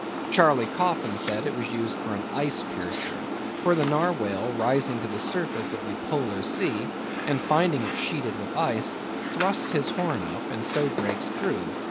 Charley Coffin said it was used for an ice piercer; for the Narwhale, rising to the surface of the Polar Sea, and finding it sheeted with ice, thrusts his horn up, and so breaks through.